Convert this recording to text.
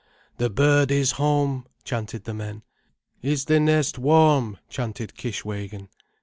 "The bird is home—" chanted the men. "Is the nest warm?" chanted Kishwégin.